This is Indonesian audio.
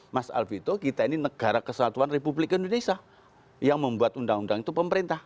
mas alvito kita ini negara kesatuan republik indonesia yang membuat undang undang itu pemerintah